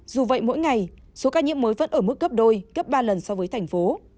dù vậy mỗi ngày số ca nhiễm mới vẫn ở mức gấp đôi gấp ba lần so với tp